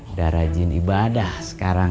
udah rajin ibadah sekarang